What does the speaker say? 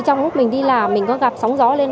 trong lúc mình đi là mình có gặp sóng gió lên